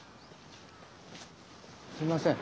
すみません。